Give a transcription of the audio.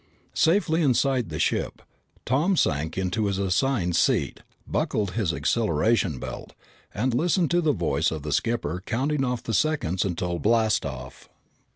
Safely inside the ship, Tom sank into his assigned seat, buckled his acceleration belt, and listened to the voice of the skipper counting off the seconds until blast off.